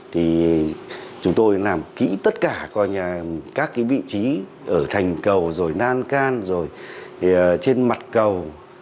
thì chúng tôi làm kỹ tất cả các vị trí ở thành cầu nan can trên mặt cầu